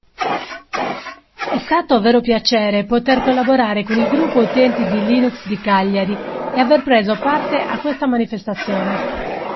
È stato vero piacere poter collaborare con il Gruppo Utenti di Linux di Cagliari e aver preso parte a questa manifestazione.